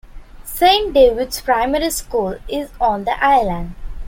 Saint David's Primary School is on the island.